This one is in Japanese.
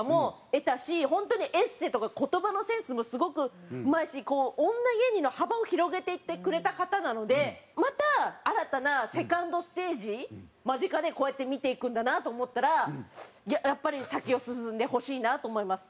本当にエッセーとか言葉のセンスもすごくうまいしこう女芸人の幅を広げていってくれた方なのでまた新たなセカンドステージ間近でこうやって見ていくんだなと思ったらやっぱり先を進んでほしいなと思います。